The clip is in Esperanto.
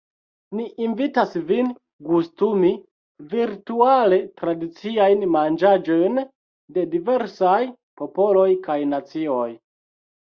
Ni invitas vin “gustumi” virtuale tradiciajn manĝaĵojn de diversaj popoloj kaj nacioj.